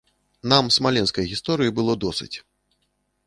Нам смаленскай гісторыі было досыць.